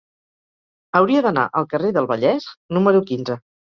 Hauria d'anar al carrer del Vallès número quinze.